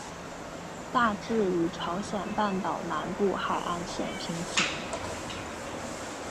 大致与朝鲜半岛南部海岸线平行。